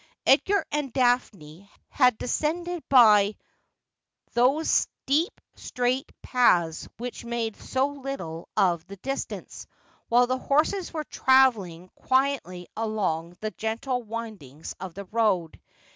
Edgar and Daphne had descended by those steep straight paths which made so little of the distance, while the horses were travelling quietly along the gentle windings of the road.